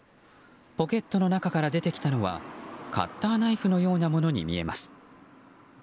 ポケットの中から出てきたのはカッターナイフのようなものに見えます。